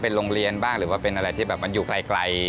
เป็นโรงเรียนบ้างหรือว่าเป็นอะไรที่แบบมันอยู่ไกล